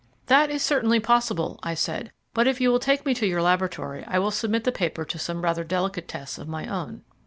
"That is certainly possible," I said; "but if you will take me to your laboratory I will submit the paper to some rather delicate tests of my own."